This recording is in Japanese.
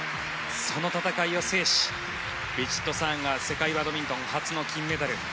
その戦いを制しヴィチットサーンが世界バドミントン初の金メダル。